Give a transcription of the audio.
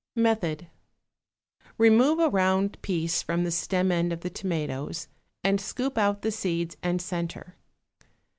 Method. Remove a round piece from the stem end of the tomatoes and scoop out the seeds and centre.